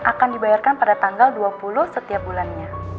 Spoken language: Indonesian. akan dibayarkan pada tanggal dua puluh setiap bulannya